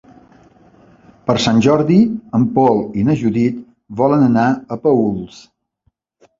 Per Sant Jordi en Pol i na Judit volen anar a Paüls.